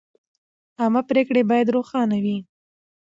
عامه پریکړې باید روښانه وي.